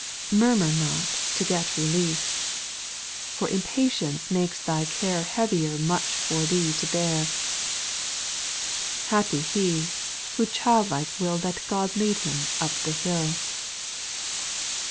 Murmur not, to get relief; For impatience makes thy care Heavier much for thee to bear, Happy he, who childlike will Let God lead him up the hill I 8.